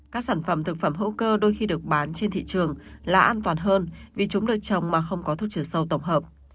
các sản phẩm thực phẩm hữu cơ đôi khi được bán trên thị trường là an toàn hơn vì chúng được trồng mà không có thuốc trừ sâu tổng hợp